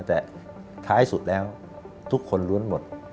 แต่ท้ายสุดแล้วทุกคนล้วนหมด